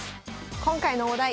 今回のお題